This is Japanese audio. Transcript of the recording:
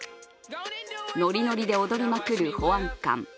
ノリノリで踊りまくる保安官。